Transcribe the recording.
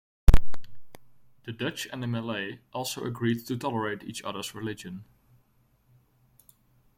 The Dutch and the Malay also agreed to tolerate each other's religion.